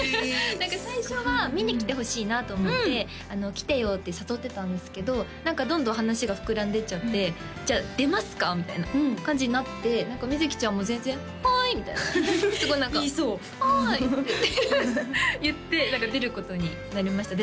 最初は見に来てほしいなと思って「来てよ」って誘ってたんですけど何かどんどん話が膨らんでいっちゃってじゃあ「出ますか？」みたいな感じになって瑞ちゃんも全然「はい」みたいな言いそうすごい何か「はい」って言って出ることになりました